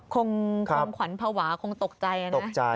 คงขวัญภาวะคงตกใจนะ